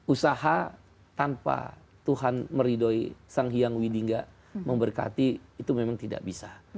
usaha tanpa tuhan meridoi sang hyang widingga memberkati itu memang tidak bisa